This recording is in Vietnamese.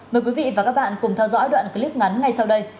mời quý vị và các bạn cùng theo dõi đoạn clip ngắn ngay sau đây